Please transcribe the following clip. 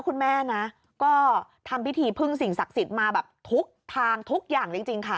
พี่หมอนทำพิธีพึงส่งศักดิ์สิทธิ์มาทุกอย่าง